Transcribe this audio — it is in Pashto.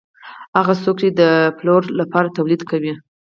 خو هغه څوک چې د پلور لپاره تولید کوي